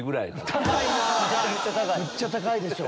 むっちゃ高いでしょ。